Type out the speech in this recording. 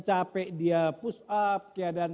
capek dia push up keadaan